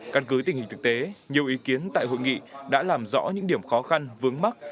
căn cứ tình hình thực tế nhiều ý kiến tại hội nghị đã làm rõ những điểm khó khăn vướng mắt